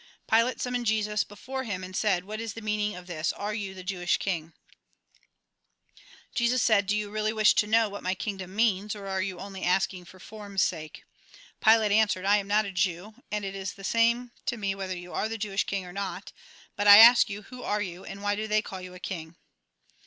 Pilate summoned Jesus before him, and said :" What is the meaning of this ; are you the Jewish king ?" Jesus said :" Do you really wish to know what my kingdom means, or are you only asking for form's sake ?" Pilate answered :" I am not a Jew, and it is the same to me whether you are the Jewish king or not ; but I ask you, who are you, and why do they call you king